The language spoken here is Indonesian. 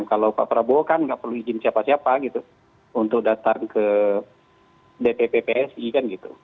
kalau pak prabowo kan nggak perlu izin siapa siapa gitu untuk datang ke dpp psi kan gitu